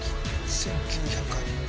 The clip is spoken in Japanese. １９００。